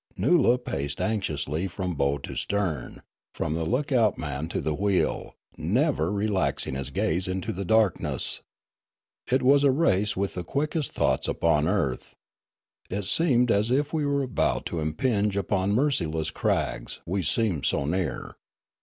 Noola paced anxiously from bow to stern, from the look out man to the wheel, never relaxing his gaze into the darkness. It was a race with the quickest thoughts upon the earth. It seemed as if we were about to impinge upon merciless crags, we seemed so near.